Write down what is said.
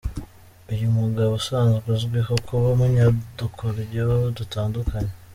Uyu mugabo usanzwe azwiho kuba umunyadukoryo dutandukanye.